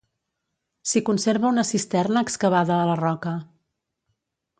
S'hi conserva una cisterna excavada a la roca.